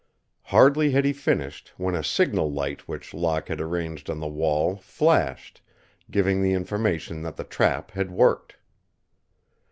Hardly had he finished when a signal light which Locke had arranged on the wall flashed, giving the information that the trap had worked.